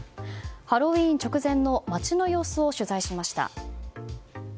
ハロウィーン直前の街の様子を取材しました。